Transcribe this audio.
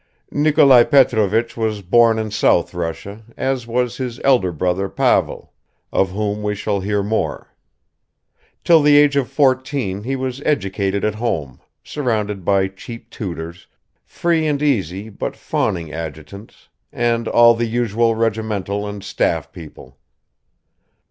Nikolai Petrovich was born in south Russia, as was his elder brother Pavel, of whom we shall hear more; till the age of fourteen he was educated at home, surrounded by cheap tutors, free and easy but fawning adjutants, and all the usual regimental and staff people.